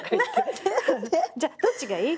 じゃあどっちがいい？